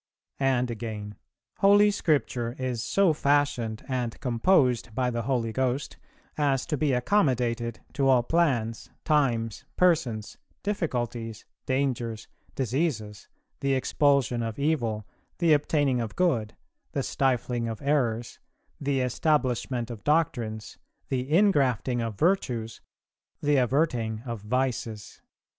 "[341:1] And again: "Holy Scripture is so fashioned and composed by the Holy Ghost as to be accommodated to all plans, times, persons, difficulties, dangers, diseases, the expulsion of evil, the obtaining of good, the stifling of errors, the establishment of doctrines, the ingrafting of virtues, the averting of vices.